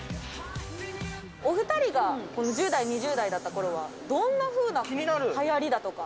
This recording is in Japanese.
お２人が、１０代、２０代だったころはどんなふうなはやりだとか。